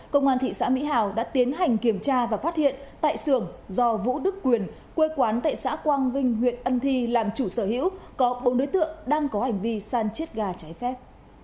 công an thị xã mỹ hào đã tiến hành kiểm tra và phát hiện tại sưởng do vũ đức quyền quê quán tại xã quang vinh huyện ân thi làm chủ sở hữu có bốn đối tượng đang có hành vi san chiết ga trái phép